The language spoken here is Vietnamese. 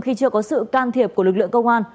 khi chưa có sự can thiệp của lực lượng công an